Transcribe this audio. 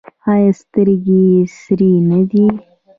ایا سترګې یې سرې نه دي؟